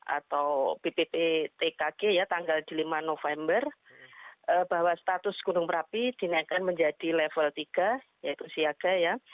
atau ppptkg tanggal lima november bahwa status gunung merapi dinaikkan menjadi level tiga yaitu siaga